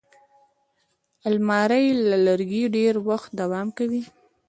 الماري له لرګي ډېر وخت دوام کوي